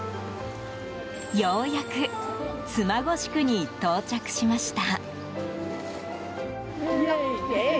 ようやく妻籠宿に到着しました。